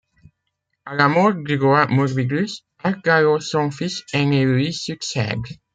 À la mort du roi Morvidus, Arthgallo son fils ainé lui succède.